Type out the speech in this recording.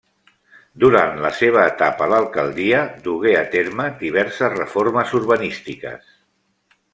Durant la seva etapa a l'alcaldia, dugué a terme diverses reformes urbanístiques.